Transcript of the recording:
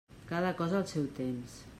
Cada cosa al seu temps.